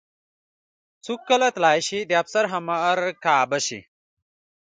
څوک کله تلی شي د افسر همرکابه شي.